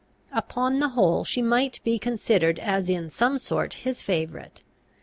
Upon the whole, she might be considered as in some sort his favourite.